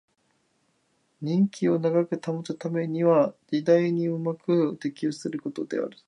人気を長く保つためには時代にうまく適応することです